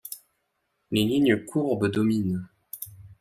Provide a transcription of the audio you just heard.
Les lignes courbes dominent.